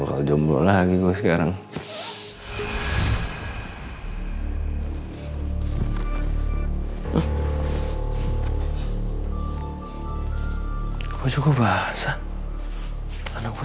udah udah kamu udah gak apa apa